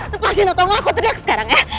lepasin otongan aku teriak sekarang ya